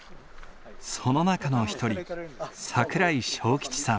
その中の一人桜井昭吉さん。